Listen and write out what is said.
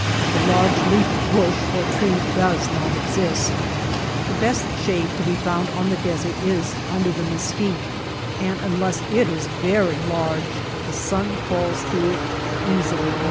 The large leafed bush or tree does not exist. The best shade to be found on the desert is under the mesquite, and unless it is very large, the sun falls through it easily enough.